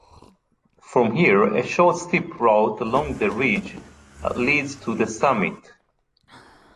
From here a short steep route along the ridge leads to the summit.